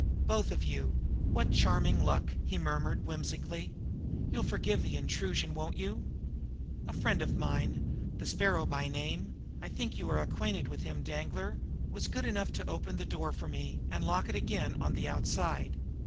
"Both of you! What charming luck!" he murmured whimsically. "You'll forgive the intrusion won't you? A friend of mine, the Sparrow by name I think you are acquainted with him, Danglar was good enough to open the door for me, and lock it again on the outside.